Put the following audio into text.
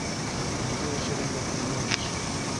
Бергә йәшәгәндә күрмәйбеҙ шул!